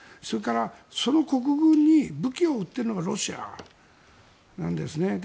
それから、その国軍に武器を売っているのがロシアなんですね。